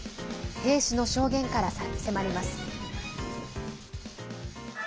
兵士の証言から迫ります。